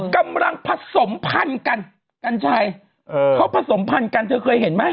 กำลังผสมพันธุ์กันกัญชัยเขาผสมพันธุ์กันเธอเคยเห็นไหม